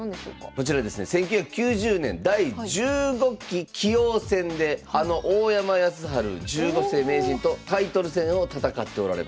こちらですね１９９０年第１５期棋王戦であの大山康晴十五世名人とタイトル戦を戦っておられます。